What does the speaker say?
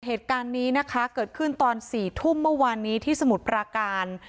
เหตุการณ์นี้นะคะเกิดขึ้นตอน๔ทุ่มเมื่อวานนี้ที่สมุทรปราการ